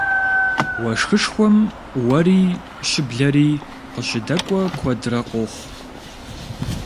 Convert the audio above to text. Уэшхышхуэм уэри щыблэри къыщыдэкӏуэ куэдрэ къохъу.